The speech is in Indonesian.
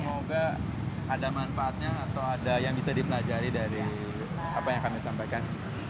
semoga ada manfaatnya atau ada yang bisa dipelajari dari apa yang kami sampaikan